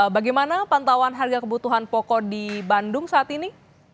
bagaimana pantauan harga kebutuhan pokok di bandung saat ini